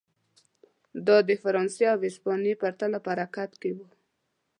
دا د فرانسې او هسپانیې په پرتله په حرکت کې و.